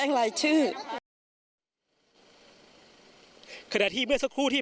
พร้อมด้วยผลตำรวจเอกนรัฐสวิตนันอธิบดีกรมราชทัน